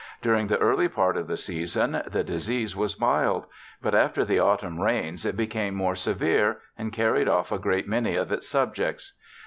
During the early part of the season, the disease was mild ; but after the autumn rains, it became more severe, and carried off a great many of its subjects.